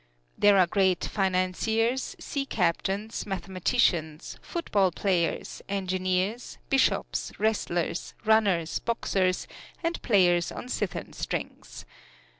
There are great financiers, sea captains, mathematicians, football players, engineers, bishops, wrestlers, runners, boxers, and players on zithern strings.